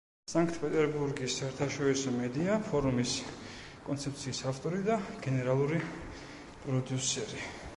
სანქტ-პეტერბურგის საერთაშორისო მედია ფორუმის კონცეფციის ავტორი და გენერალური პროდიუსერი.